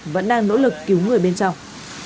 vẫn đang nỗ lực cứu người bên trong